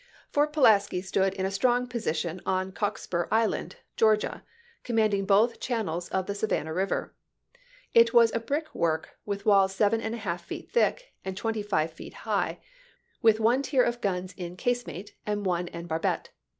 Fort Pulaski stood in a strong position on Cockspur Island, Georgia, com manding both channels of the Savannah River. It was a brick work with walls seven and a half feet thick and twenty five feet high, with one tier of guns in casemate and one en barbette.